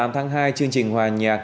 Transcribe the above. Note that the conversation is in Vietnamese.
tám tháng hai chương trình hòa nhạc